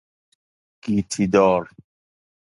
گیتی دار